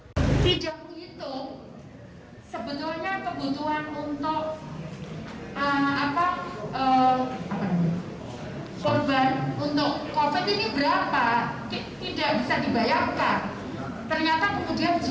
selain itu menteri sosial tri risma harini menilai anggaran di gedung kementerian sosial salemba jakarta pusat selasa siang menteri sosial tri risma harini menyebut jika kebijakan tersebut dihentikan lantaran pada tahun dua ribu dua puluh satu anggaran kemensos berfokus pada penanganan bencana